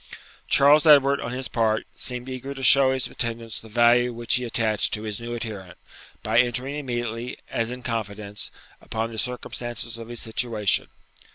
Charles Edward, on his part, seemed eager to show his attendants the value which he attached to his new adherent, by entering immediately, as in confidence, upon the circumstances of his situation.